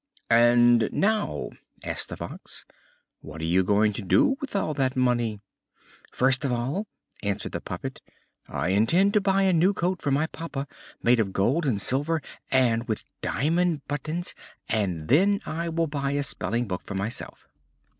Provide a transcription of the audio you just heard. "And now," asked the Fox, "what are you going to do with all that money?" "First of all," answered the puppet, "I intend to buy a new coat for my papa, made of gold and silver, and with diamond buttons; and then I will buy a spelling book for myself."